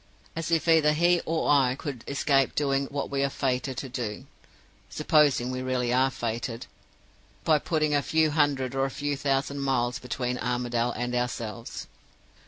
As if either he or I could escape doing what we are fated to do supposing we really are fated by putting a few hundred or a few thousand miles between Armadale and ourselves!